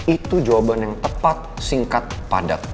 itu jawaban yang tepat singkat padat